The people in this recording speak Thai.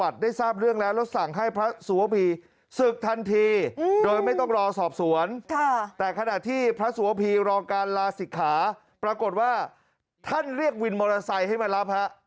แต่ขณะที่พระสวพีรอการลาศิกขาปรากฏว่าท่านเรียกวินมอเตอร์ไซค์ให้มารับฮะ